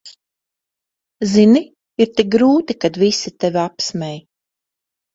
Zini, ir tik grūti, kad visi tevi apsmej.